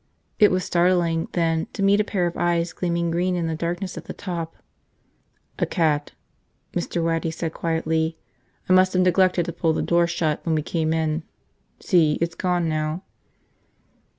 It was startling, then, to meet a pair of eyes gleaming green in the darkness at the top. "A cat," Mr. Waddy said quietly. "I must have neglected to pull the door shut when we came in. See, it's gone now."